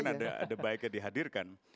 mungkin ada baiknya dihadirkan